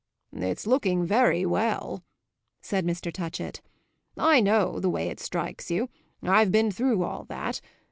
"It's looking very well," said Mr. Touchett. "I know the way it strikes you. I've been through all that.